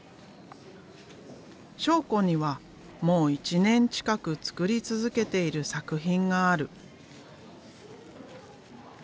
章子にはもう１年近く作り続けている作品がある。